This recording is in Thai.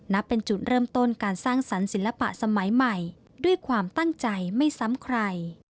นับเป็นจุดเริ่มต้นการสร้างสรรค์ศิลปะสมัยใหม่ด้วยความตั้งใจไม่ซ้ำใคร